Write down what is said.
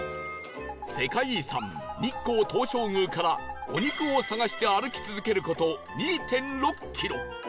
世界遺産日光東照宮からお肉を探して歩き続ける事 ２．６ キロ